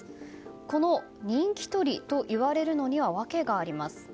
この人気取りといわれるにはわけがあります。